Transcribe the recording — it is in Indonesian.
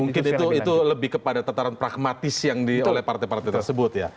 mungkin itu lebih kepada tataran pragmatis yang oleh partai partai tersebut ya